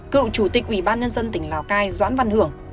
cựu chủ tịch ubnd tỉnh lào cai doãn văn hưởng